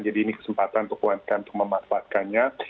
ini kesempatan untuk umkm untuk memanfaatkannya